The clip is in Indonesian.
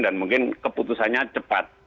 dan mungkin keputusannya cepat